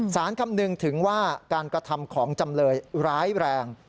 คำนึงถึงว่าการกระทำของจำเลยร้ายแรง